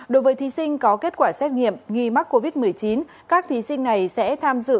đối với thí sinh có kết quả xét nghiệm nghi mắc covid một mươi chín các thí sinh này sẽ tham dự